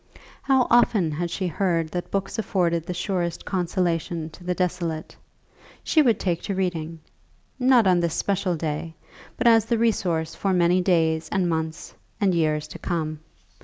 How often had she heard that books afforded the surest consolation to the desolate. She would take to reading; not on this special day, but as the resource for many days and months, and years to come.